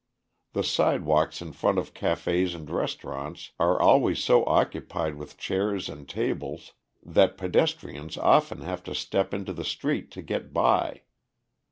The sidewalks in front of cafés and restaurants are always so occupied with chairs and tables that pedestrians often have to step into the street to get by.